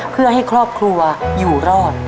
เพื่อให้ครอบครัวอยู่รอด